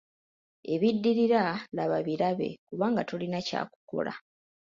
Ebiddirira laba birabe kubanga tolina kya kukola.